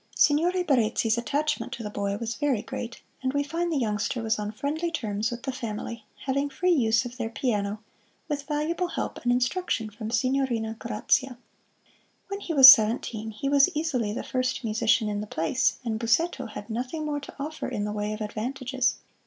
Signore Barezzi's attachment to the boy was very great, and we find the youngster was on friendly terms with the family, having free use of their piano, with valuable help and instruction from Signorina Grazia. When he was seventeen he was easily the first musician in the place, and Busseto had nothing more to offer in the way of advantages.